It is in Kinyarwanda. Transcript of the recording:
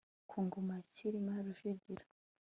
ku ngoma ya cyilima rujugira